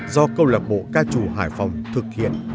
do câu lạc bộ ca trù hải phòng thực hiện